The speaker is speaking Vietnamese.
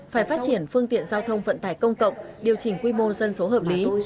phải phát triển phương tiện giao thông vận tải công cộng điều chỉnh quy mô dân số hợp lý